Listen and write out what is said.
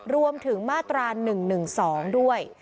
รวมถึงมาตรา๑๑๒ด้วย